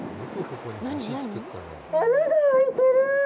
穴が空いてる！